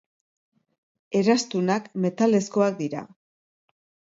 Eraztunak metalezkoak dira.